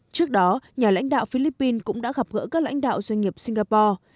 trước đó nhà lãnh đạo philippines cũng đã gặp gỡ các lãnh đạo doanh nghiệp singapore